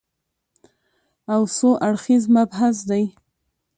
او څو اړخیز مبحث دی